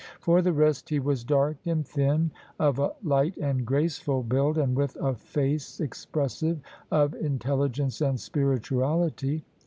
For the rest, he was dark and thin, of a light and graceful build, and with a face expressive of intelligence and spirituality.